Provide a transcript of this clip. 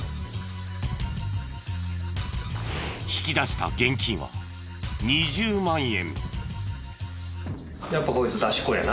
引き出した現金は２０万円。